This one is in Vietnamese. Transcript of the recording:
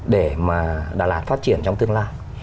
để mà đà lạt phát triển trong tương lai